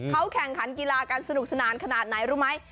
เขาแข่งขันกีฬากันสนุกสนานขนาดไหนรู้ไหม